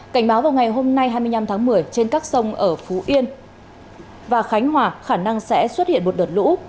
cảnh báo vào ngày hôm nay hai mươi năm tháng một mươi trên các sông ở phú yên và khánh hòa khả năng sẽ xuất hiện một đợt lũ